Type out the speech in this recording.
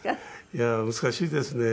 いやー難しいですね。